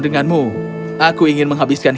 denganmu aku ingin menghabiskan